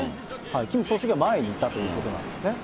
キム総書記は前にいたということなんですね。